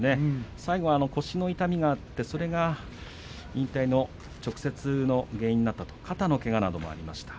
最後は腰の痛みがあってそれが引退の直接の原因になったという肩のけがなどもありました。